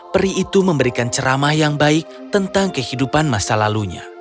peri itu memberikan ceramah yang baik tentang kehidupan masa lalunya